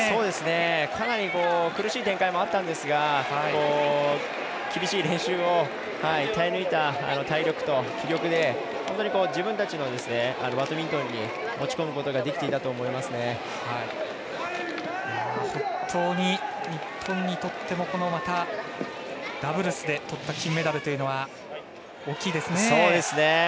かなり苦しい展開もあったんですが厳しい練習を耐え抜いた体力と気力で自分たちのバドミントンに持ち込むことが本当に日本にとってもダブルスでとった金メダルというのは大きいですね。